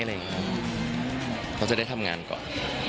เขาจะได้ทำงานก่อน